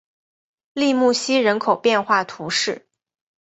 利穆西人口变化图示